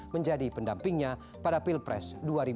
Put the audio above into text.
menjadi pendampingnya pada pilpres dua ribu sembilan belas